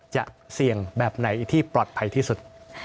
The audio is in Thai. เสี่ยงแบบไหนที่ปลอดภัยที่สุด